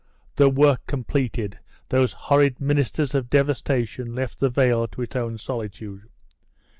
"The work completed, these horrid ministers of devastation left the vale to its own solitude.